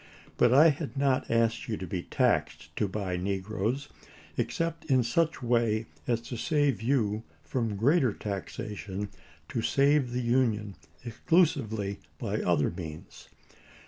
But I had not asked you to be taxed to buy negroes, except in such way as to save you from greater taxation to save the Union exclusively by other means.